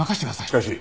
しかし。